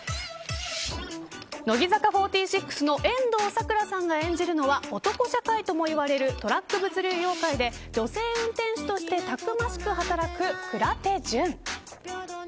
乃木坂４６の遠藤さくらさんが演じるのは男社会ともいわれるトラック物流業界で女性運転手としてたくましく働く鞍手じゅん。